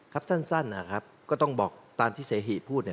ครับสั้นนะครับก็ต้องบอกตามที่เสหิพูดเนี่ย